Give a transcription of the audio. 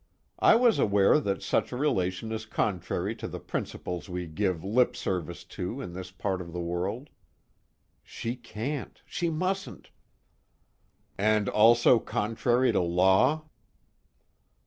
I was aware that such a relation is contrary to the principles we give lip service to in this part of the world." She can't she mustn't "And also contrary to law?"